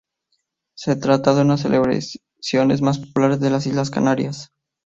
Se trata de una de las celebraciones más populares de las Islas Canarias.